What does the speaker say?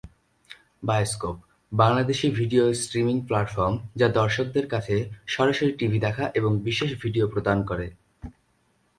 Bioscope, Bangladeshi video streaming platform যা দর্শকদের কাছে সরাসরি টিভি দেখা এবং বিশেষ ভিডিও প্রদান করে।